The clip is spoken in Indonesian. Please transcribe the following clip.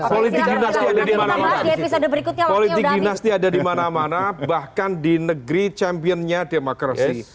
politi gnasty ada di mana mana politi gnasty ada di mana mana bahkan di negeri championnya demokrasi